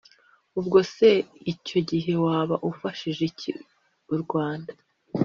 Ubwo se icyo gihe waba ufashije iki u Rwanda